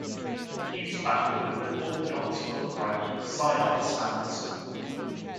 Hughes batted with an orthodox upright, side-on stance.